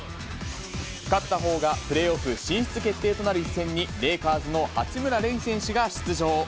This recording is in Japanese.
勝ったほうがプレーオフ進出決定となる一戦に、レイカーズの八村塁選手が出場。